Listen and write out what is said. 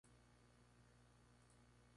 María Estuardo volvió a Escocia.